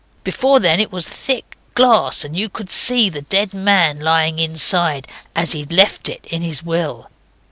Before then it was thick glass, and you could see the dead man lying inside, as he'd left it in his will.